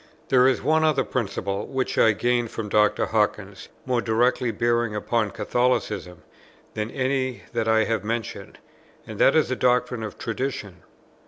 There is one other principle, which I gained from Dr. Hawkins, more directly bearing upon Catholicism, than any that I have mentioned; and that is the doctrine of Tradition.